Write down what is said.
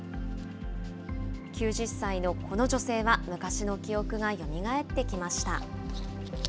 ９０歳のこの女性は、昔の記憶がよみがえってきました。